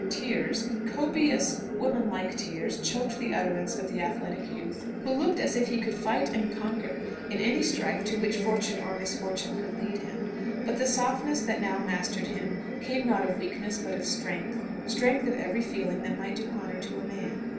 Tears copious woman like tears choked the utterance of the athletic youth, who looked as if he could fight and conquer in any strife to which fortune or misfortune could lead him. But the softness that now mastered him came not of weakness, but of strength strength of every feeling that might do honour to a man.